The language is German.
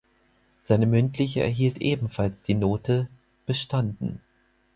Seine mündliche erhielt ebenfalls die Note „bestanden“.